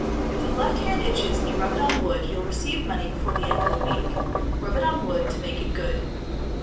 If the left hand itches and you rub it on wood, you'll receive money before the end of the week. Rub it on wood To make it good.